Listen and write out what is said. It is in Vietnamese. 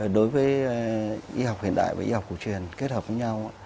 đối với y học hiện đại và y học cổ truyền kết hợp với nhau